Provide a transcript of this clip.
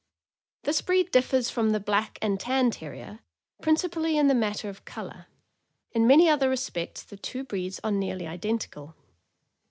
This breed differs from the Black and Tan Terrier principally in the matter of color; in many other respects the two breeds are nearly identical.